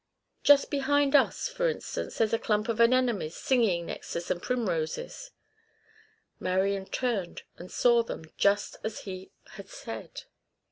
"Just behind us, for instance, there's a clump of anemones singing next to some primroses." Marian turned and saw them, just as he had said.